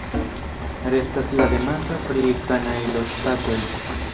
Restas la demando pri kanajloŝtatoj.